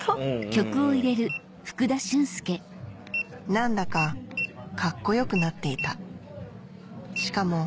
何だかカッコよくなっていたしかも